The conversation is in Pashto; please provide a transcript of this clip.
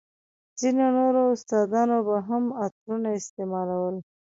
ځينو نورو استادانو به هم عطرونه استعمالول.